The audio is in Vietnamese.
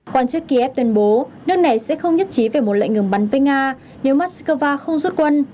quan chức kiev tuyên bố nước này sẽ không nhất trí về một lệnh ngừng bắn với nga nếu moscow không rút quân